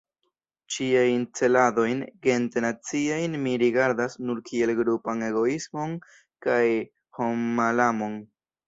Ĉiajn celadojn gente-naciajn mi rigardas nur kiel grupan egoismon kaj hommalamon.